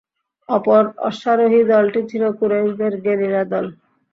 অপর অশ্বারোহী দলটি ছিল কুরাইশদের গেরিলা দল।